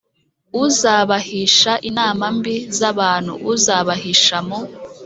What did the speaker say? uzabahisha inama mbi z abantu Uzabahisha mu